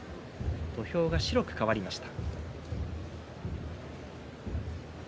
土俵が白く変わりました。